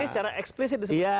ini secara eksplisit